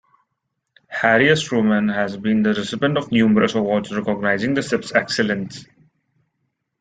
"Harry S Truman" has been the recipient of numerous awards recognizing the ship's excellence.